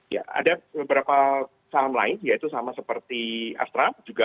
ya ada beberapa saham lain yaitu sama seperti astra